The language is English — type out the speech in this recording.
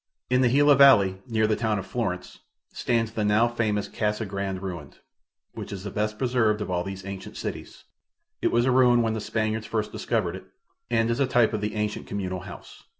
In the Gila valley, near the town of Florence, stands the now famous Casa Grande ruin, which is the best preserved of all these ancient cities. It was a ruin when the Spaniards first discovered it, and is a type of the ancient communal house.